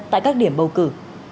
tại các điểm bầu cử